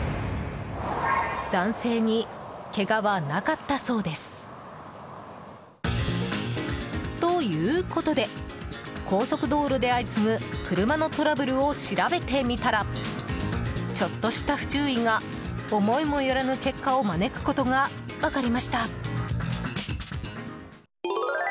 男性に、けがはなかったそうです。ということで、高速道路で相次ぐ車のトラブルを調べてみたらちょっとした不注意が思いもよらぬ結果を招くことが分かりました。